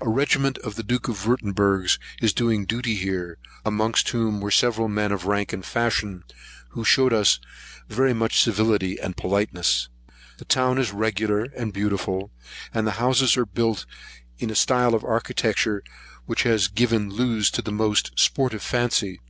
A regiment of the Duke of Wirtemburg is doing duty here, amongst whom were several men of rank and fashion, who shewed us much civility and politeness. The town is regular and beautiful, and the houses are built in a style of architecture, which has given loose to the most sportive fancy.